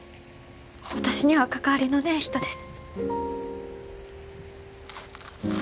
私には関わりのねえ人です。